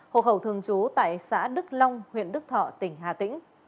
hộ khẩu thường trú tại xã đức long huyện đức thọ tỉnh hà tĩnh